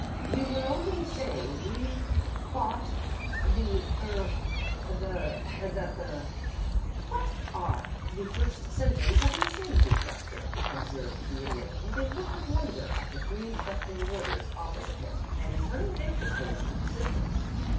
"We were only saying we thought the er the that the " "What are the first symptoms of insanity, Doctor?" observed the Idiot, with a look of wonder at the three shuffling boarders opposite him, and turning anxiously to the physician.